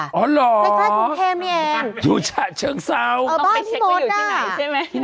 อ๋อเหรอคุณเคมเนี่ยอยู่ฉะเชิงเซาต้องไปเช็คว่าอยู่ที่ไหนใช่ไหม